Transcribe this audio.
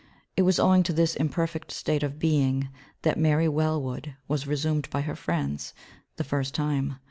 It was owing to this imperfect state of being that Mary Wellwood was resumed by her friends the first time.